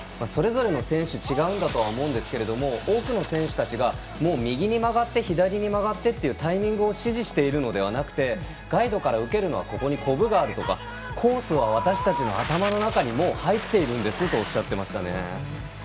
それぞれの選手で違うんだとは思うんですが多くの選手たちが右に曲がって左に曲がってというタイミングを指示しているのではなくてガイドから受けるのはここにコブがあるとかコースは私たちの頭の中にもう入っているんですとおっしゃっていましたね。